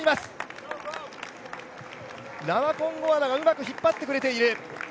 ラマコンゴアナがうまく引っ張ってくれている。